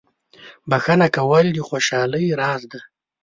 • بخښنه کول د خوشحالۍ راز دی.